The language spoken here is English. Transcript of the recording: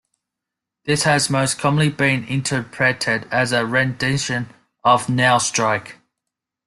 This has most commonly been interpreted as a rendition of "Now Strike".